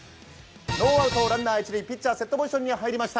ノーアウトランナーは一塁ピッチャー、セットポジションに入ります。